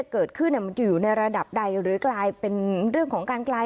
เกิดขึ้นมันอยู่ในระดับใดหรือกลายเป็นเรื่องของการกลาย